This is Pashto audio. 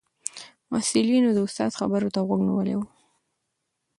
محصلینو د استاد خبرو ته غوږ نیولی و.